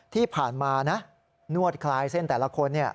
ที่ผ่านมานะนวดคลายเส้นแต่ละคน